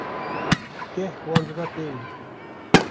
geh wan dida pey min.